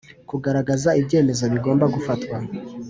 Kugaragaza ibyemezo bigomba gufatwa